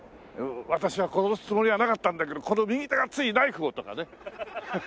私は殺すつもりはなかったんだけどこの右手がついナイフをとかね。